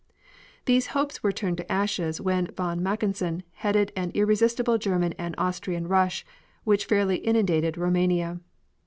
These hopes were turned to ashes when von Mackensen headed an irresistible German and Austrian rush which fairly inundated Roumania.